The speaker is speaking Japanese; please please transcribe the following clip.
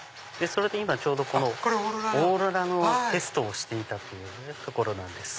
今ちょうどオーロラのテストをしていたところなんです。